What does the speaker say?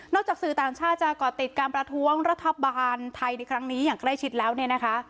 จากสื่อต่างชาติจะก่อติดการประท้วงรัฐบาลไทยในครั้งนี้อย่างใกล้ชิดแล้วเนี่ยนะคะ